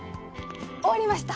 終わりました！